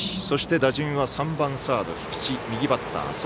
そして打順は３番サード、菊地、右バッター。